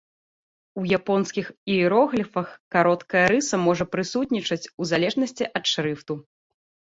У японскіх іерогліфах кароткая рыса можа прысутнічаць у залежнасці ад шрыфту.